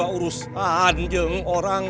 aku tidak mau pulang